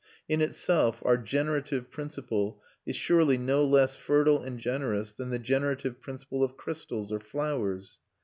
In itself our generative principle is surely no less fertile and generous than the generative principle of crystals or flowers.